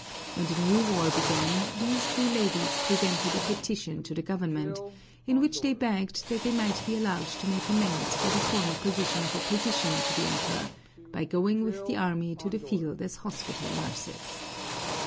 When the new war began, these two ladies presented a petition to the government, in which they begged that they might be allowed to make amends for their former position of opposition to the Emperor, by going with the army to the field as hospital nurses.